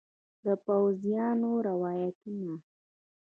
د پوځیانو روایتونه